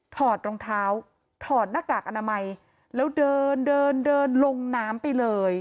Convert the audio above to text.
ถอดรองเท้าถอดหน้ากากอนามัยแล้วเดินเดินเดินลงน้ำไปเลย